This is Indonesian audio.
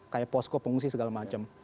kayak posko pengungsi segala macam